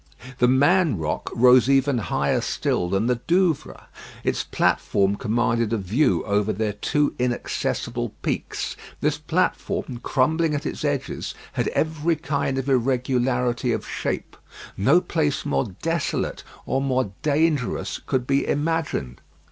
"The Man Rock" rose even higher still than the Douvres. Its platform commanded a view over their two inaccessible peaks. This platform, crumbling at its edges, had every kind of irregularity of shape. No place more desolate or more dangerous could be imagined.